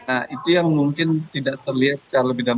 nah itu yang mungkin tidak terlihat secara lebih dalam